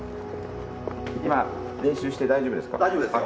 今、練習して大丈夫ですか？